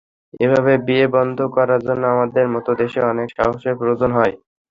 এভাবে বিয়ে বন্ধ করার জন্য আমাদের মতো দেশে অনেক সাহসের প্রয়োজন হয়।